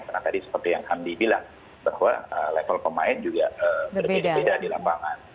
karena tadi seperti yang andi bilang bahwa level pemain juga berbeda di lapangan